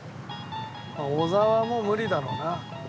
小澤も無理だろうな。